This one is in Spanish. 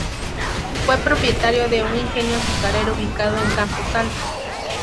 Fue propietario de un ingenio azucarero ubicado en Campo Santo.